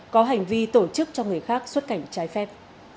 có hành vi tổ chức cho người khác xuất cảnh trái phép